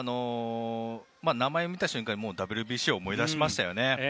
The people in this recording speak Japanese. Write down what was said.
名前を見た瞬間にＷＢＣを思い出しましたよね。